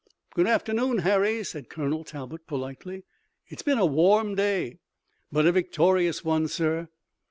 "Good afternoon, Harry," said Colonel Talbot, politely. "It's been a warm day." "But a victorious one, sir."